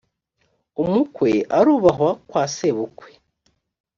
umukwe arubahwa kwa sebukwe.